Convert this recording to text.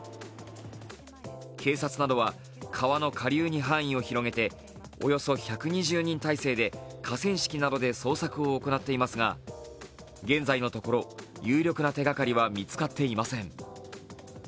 警察などは、川の下流に範囲を広げておよそ１２０人態勢で河川敷などで捜索を行っていますが現在のところ有力な手がかりは見つかっていません。